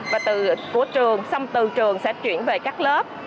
và từ của trường xong từ trường sẽ chuyển về các lớp